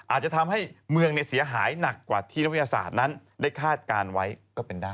อาจจะทำให้เมืองเสียหายหนักกว่าที่นักวิทยาศาสตร์นั้นได้คาดการณ์ไว้ก็เป็นได้